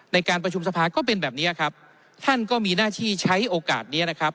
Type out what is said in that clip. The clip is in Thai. ในการประชุมสภาก็เป็นแบบเนี้ยครับท่านก็มีหน้าที่ใช้โอกาสนี้นะครับ